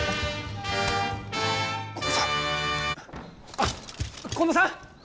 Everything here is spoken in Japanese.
あっ近藤さん？